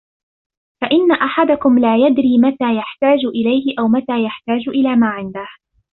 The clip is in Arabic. فَإِنَّ أَحَدَكُمْ لَا يَدْرِي مَتَى يَحْتَاجُ إلَيْهِ أَوْ مَتَى يَحْتَاجُ إلَى مَا عِنْدَهُ